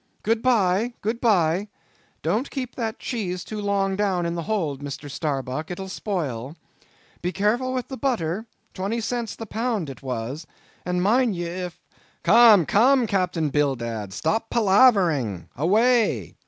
Good bye, good bye! Don't keep that cheese too long down in the hold, Mr. Starbuck; it'll spoil. Be careful with the butter—twenty cents the pound it was, and mind ye, if—" "Come, come, Captain Bildad; stop palavering,—away!"